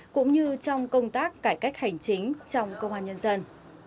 cũng như trong công tác cải cách hành chính trong công an nhân dân